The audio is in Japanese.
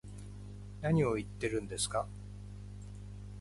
何を言ってるんですか